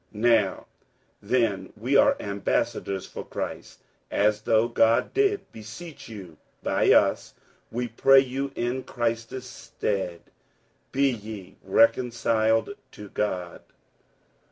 47:005:020 Now then we are ambassadors for Christ, as though God did beseech you by us: we pray you in Christ's stead, be ye reconciled to God.